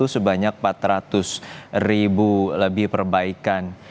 sebanyak empat ratus ribu lebih perbaikan